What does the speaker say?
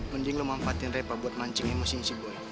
mending lo manfaatin repa buat mancing emosiin si boy